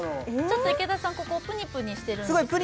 ちょっと池田さんここプニプニしてるんですよね